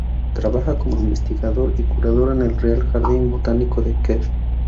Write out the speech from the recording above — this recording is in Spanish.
Trabaja como investigador y curador en el Real Jardín Botánico de Kew.